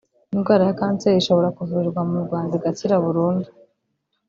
Indwara ya kanseri ishobora kuvurirwa mu Rwanda igakira burundu